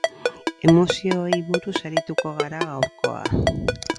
Emozioei buruz arituko gara gaurkoa.